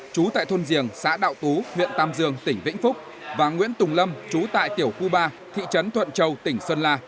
chú tại thôn giềng xã đạo tú huyện tam dương tỉnh vĩnh phúc và nguyễn tùng lâm chú tại tiểu khu ba thị trấn thuận châu tỉnh sơn la